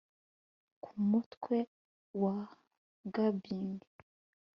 kumutwe wa gabbing